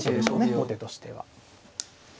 後手としては。